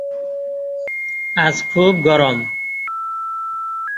আজ খুব গরম।